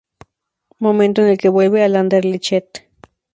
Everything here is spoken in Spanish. Momento en el que vuelve al Anderlecht.